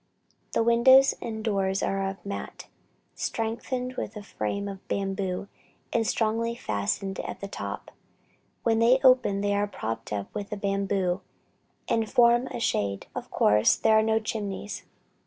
The windows and doors are of mat, strengthened with a frame of bamboo, and strongly fastened at the top. When open they are propped up with a bamboo, and form a shade. Of course, there are no chimneys.